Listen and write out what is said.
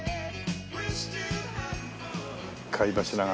貝柱が。